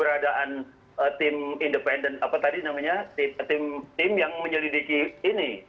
apa tadi namanya tim yang menyelidiki ini